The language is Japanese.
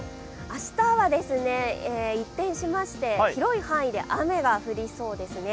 明日は一転しまして広い範囲で雨が降りそうですね。